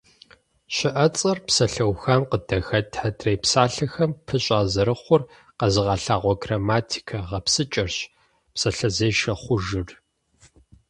ЩыӀэцӀэр псалъэухам къыдыхэт адрей псалъэхэм пыщӀа зэрыхъур къэзыгъэлъагъуэ грамматикэ гъэпсыкӀэрщ псалъэзешэ хъужыр.